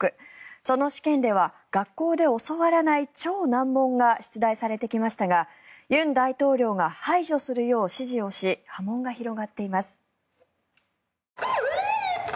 その試験では学校で教わらない超難問が出題されてきましたが尹大統領が排除するよう指示をし波紋が広がっています。